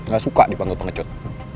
gak suka dipanggil pengecut